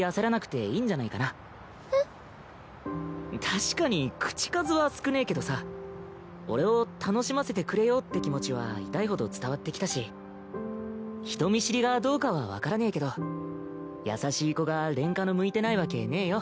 確かに口数は少ねぇけどさ俺を楽しませてくれようって気持ちは痛いほど伝わってきたし人見知りがどうかは分からねぇけど優しい子がレンカノ向いてないわけねぇよ。